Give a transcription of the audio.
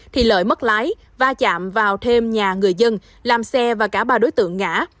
thì lợi mất lái va chạm vào thêm nhà người dân làm xe và cả ba đối tượng ngã